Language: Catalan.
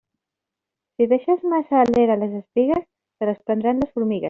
Si deixes massa a l'era les espigues, te les prendran les formigues.